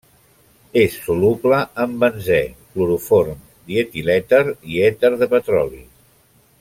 És soluble en benzè, cloroform, dietilèter i èter de petroli.